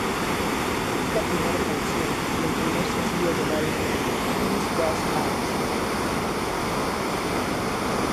Es la primera canción y el primer sencillo del álbum Ist das alles?